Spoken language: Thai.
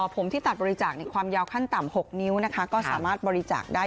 ผมที่ตัดบริจาคในความยาวขั้นต่ำ๖นิ้วนะคะก็สามารถบริจาคได้